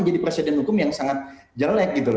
presiden hukum yang sangat jelek gitu loh